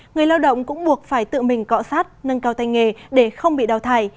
người lao động cũng buộc phải tự mình cọ sát nâng cao tay nghề để không bị đào thải